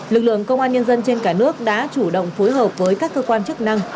lực lượng công an nhân dân trên cả nước đã chủ động phối hợp với các cơ quan chức năng